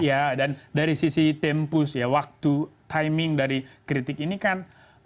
ya dan dari sisi tempus ya waktu timing dari kritik ini kan